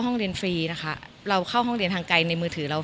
ห้องเรียนฟรีนะคะเราเข้าห้องเรียนทางไกลในมือถือเรา